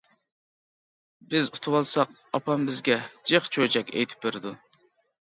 بىز ئۇتۇۋالساق ئاپام بىزگە جىق چۆچەك ئېيتىپ بېرىدۇ.